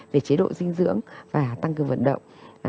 về chế độ dinh dưỡng và tăng cường vận động